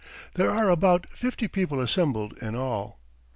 There are about fifty people assembled in all.